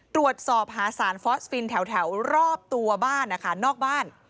ตรวจสอบหาสารฟอสฟินแถวรอบตัวบ้านนะคะนอกบ้าน